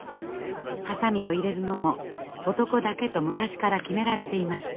ハサミを入れるのも男だけと昔から決められていました。